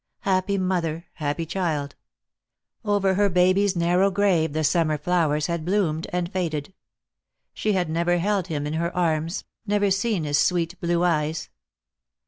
Happy mother, happy child! Over her baby's narrow grave the summer flowers had bloomed and faded. She had never held him in her arms, never seen his sweet blue eyes.